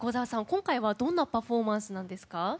今回は、どんなパフォーマンスなんですか？